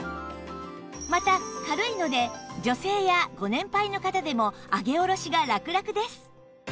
また軽いので女性やご年配の方でも上げ下ろしがラクラクです